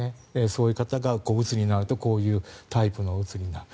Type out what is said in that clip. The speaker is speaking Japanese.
そういう方がうつになるとこういうタイプのうつになる。